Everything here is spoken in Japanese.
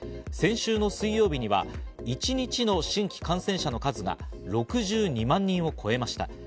先週の水曜日には一日の新規感染者の数が６２万人を超えました。